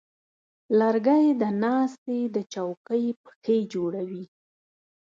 لرګی د ناستې د چوکۍ پښې جوړوي.